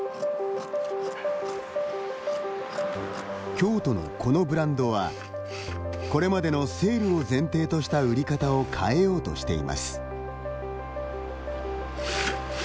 京都のこのブランドはこれまでのセールを前提とした売り方を変えようとしています。